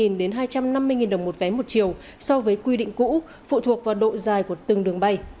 các đường bay có khoảng cách dưới hai trăm năm mươi đồng một vé một chiều so với quy định cũ phụ thuộc vào độ dài của từng đường bay